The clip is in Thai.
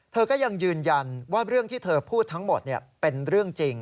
เธอก็ยังยืนยันว่าเรื่องที่เธอพูดทั้งหมดเป็นเรื่องจริง